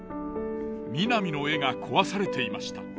みなみの絵が壊されていました。